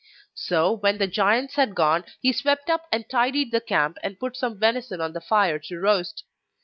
So when the giants had gone he swept and tidied the camp and put some venison on the fire to roast.